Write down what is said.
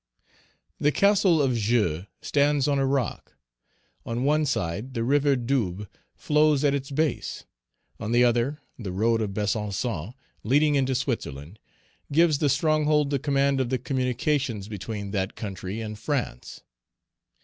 The Castle of Joux stands on a rock. On one side, the river Doubs flows at its base; on the other, the road of Besançon, leading into Switzerland, gives the stronghold the command of the communications between that country and France.